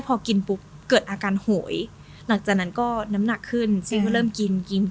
พอกินปุ๊บเกิดอาการโหยหลังจากนั้นก็น้ำหนักขึ้นซึ่งก็เริ่มกินกิน